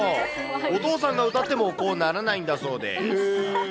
お父さんが歌ってもこうならないんだそうで。